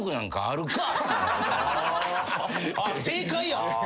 正解や。